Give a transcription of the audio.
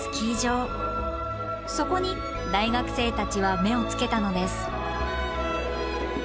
そこに大学生たちは目をつけたのです。